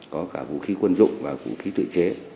có cả vũ khí quân dụng và vũ khí tự chế